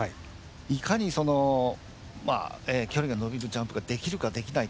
いかに距離が伸びるジャンプができるか、できないか。